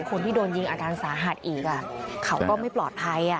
คนที่โดนยิงอาการสาหัสอีกเขาก็ไม่ปลอดภัย